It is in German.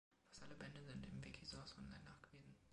Fast alle Bände sind in Wikisource online nachgewiesen.